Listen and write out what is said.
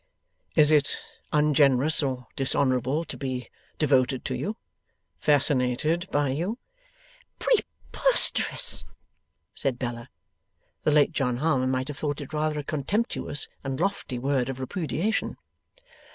'Is it ungenerous or dishonourable to be devoted to you; fascinated by you?' 'Preposterous!' said Bella. The late John Harmon might have thought it rather a contemptuous and lofty word of repudiation.